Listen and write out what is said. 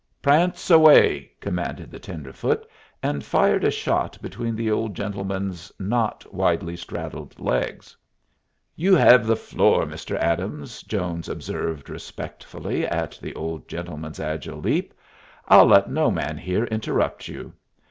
"Prance away!" commanded the tenderfoot, and fired a shot between the old gentleman's not widely straddled legs. "You hev the floor, Mr. Adams," Jones observed, respectfully, at the old gentleman's agile leap. "I'll let no man here interrupt you."